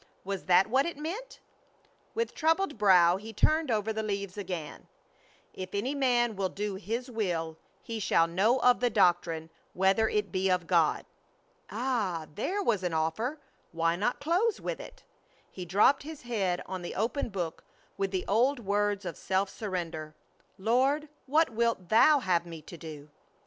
Was that what it meant? With troubled brow he turned over the leaves again: If any man will do his will, he shall know of the doctrine, whether it be of God. Ah! There was an offer, why not close with it? He dropped his head on the open book with the old words of self surrender: "Lord, what wilt Thou have me to do?"